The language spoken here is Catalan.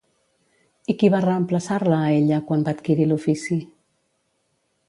I qui va reemplaçar-la a ella quan va adquirir l'ofici?